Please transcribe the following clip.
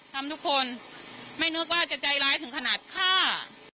ทำทุกคนไม่นึกว่าจะใจร้ายถึงขนาดฆ่า